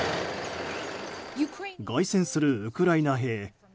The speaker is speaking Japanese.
凱旋するウクライナ兵。